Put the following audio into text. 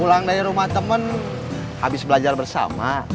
pulang dari rumah temen habis belajar bersama